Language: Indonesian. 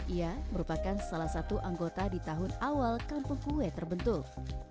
ia merupakan salah satu anggota di tahun awal kampung kue terbentuk